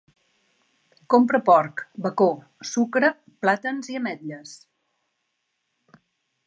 Compra porc, bacó, sucre, plàtans i ametles